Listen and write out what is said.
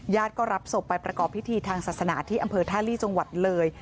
ก็รับศพไปประกอบพิธีทางศาสนาที่อำเภอท่าลีจังหวัดเลย